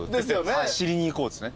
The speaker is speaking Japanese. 知りに行こうですね